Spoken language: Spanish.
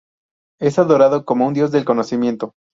Es adorado como un dios del conocimiento.